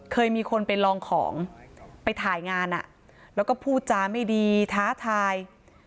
เคยมีคนไปลองของไปถ่ายงานแล้วก็พูดจาไม่ดีท้าทาย